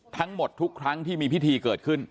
ทั้งหมดทุกครั้งที่มีพิธีเกิดขึ้น